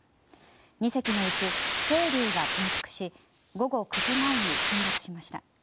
２隻のうち「せいりゅう」が転覆し午後９時前に沈没しました。